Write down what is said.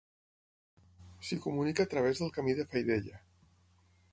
S'hi comunica a través del Camí de Faidella.